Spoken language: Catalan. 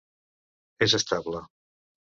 És estable.